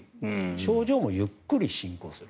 症状もゆっくり進行する。